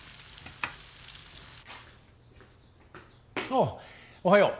ああおはよう。